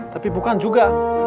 tapi bukan juga